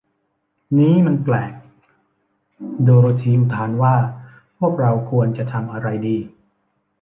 นี้มันแปลก โดโรธีอุทานว่า พวกเราควรจะทำอะไรดี